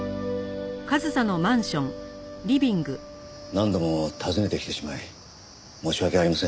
何度も訪ねてきてしまい申し訳ありません。